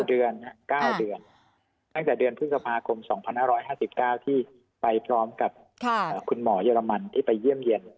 ๙เดือนตั้งแต่เดือนพฤษภาคม๒๕๕๙ที่ไปพร้อมกับคุณหมอเยอรมันที่ไปเยี่ยมเยี่ยม